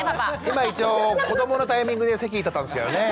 今一応子どものタイミングで席立ったんですけどね。